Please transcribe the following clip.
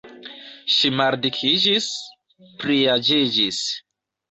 Ŝi maldikiĝis, pliaĝiĝis.